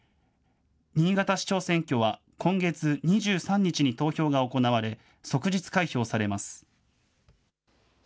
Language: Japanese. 新潟市長選挙は、今月２３日に投票が行われ、即日開票されます。